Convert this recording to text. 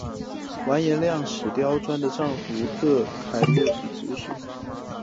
完颜亮使习拈的丈夫稍喝押护卫直宿。